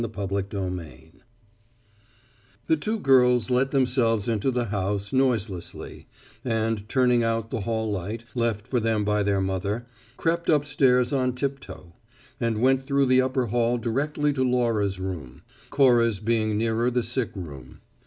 CHAPTER SIXTEEN The two girls let themselves into the house noiselessly, and, turning out the hall light, left for them by their mother, crept upstairs on tiptoe; and went through the upper hall directly to Laura's room Cora's being nearer the sick room.